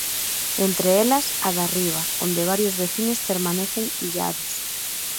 Entre elas, a da Riba, onde varios veciños permanecen illados.